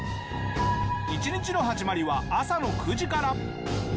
一日の始まりは朝の９時から。